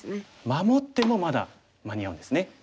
守ってもまだ間に合うんですね。